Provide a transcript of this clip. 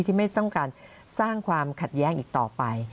ที่ไม่ต้องการสร้างความขัดแย้งอีกต่อไป